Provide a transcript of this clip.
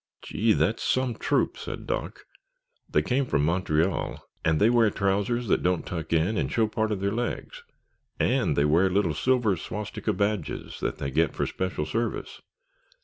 "Gee, that's some troop," said Doc. "They came from Montreal and they wear trousers that don't tuck in and show part of their legs and they wear little silver swastika badges that they get for special service.